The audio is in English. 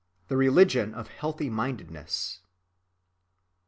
THE RELIGION OF HEALTHY‐MINDEDNESS.